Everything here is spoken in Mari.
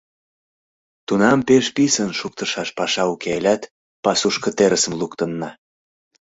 Тунам пеш писын шуктышаш паша уке ылят, пасушко терысым луктынна.